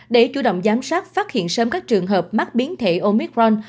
để chủ động giám sát phát hiện sớm các trường hợp mắc biến thể omicron